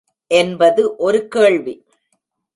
என்பது ஒரு கேள்வி.